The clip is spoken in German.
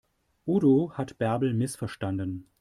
Udo hat Bärbel missverstanden.